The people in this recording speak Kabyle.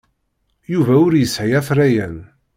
Yuba ur yesɛi afrayen.